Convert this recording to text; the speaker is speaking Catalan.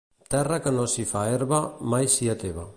Terra que no s'hi fa herba, mai sia meva.